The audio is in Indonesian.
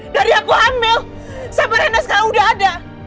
dari aku hamil siapapun yang sekarang udah ada